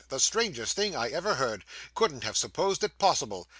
The strangest thing I ever heard! Couldn't have supposed it possible!